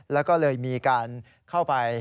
แล้วก็เลยมีการเข้าไป